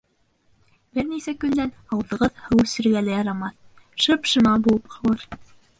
Бер нисә көндән ауыҙығыҙ һыу эсергә лә ярамаҫ, шып-шыма булып ҡалыр...